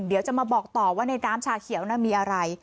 เดี๋ยวจะมาบอกต่อว่าในน้ำชาเขียวน่ะมีอะไร